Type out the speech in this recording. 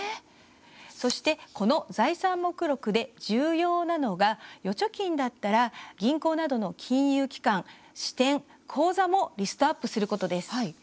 そしてこの財産目録で重要なのが預貯金だったら、銀行などの金融機関、支店、口座もリストアップすることです。